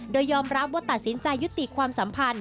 โดยยอมรับว่าตัดสินใจยุติความสัมพันธ